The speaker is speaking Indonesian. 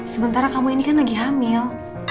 sementara kamu ini kan lagi hamil